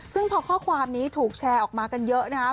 ซึ่งพอข้อความนี้ถูกแชร์ออกมากันเยอะนะครับ